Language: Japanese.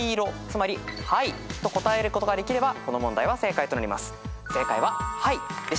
つまり「はい」と答えることができればこの問題は正解となります。